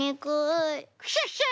クシャシャ！